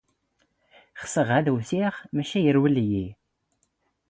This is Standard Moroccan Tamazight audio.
ⵅⵙⵖ ⴰⴷ ⵜ ⵓⵡⵜⵖ ⵎⴰⵛⴰ ⵉⵔⵡⵍ ⵉⵢⵉ.